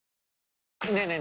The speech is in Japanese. ねえねえ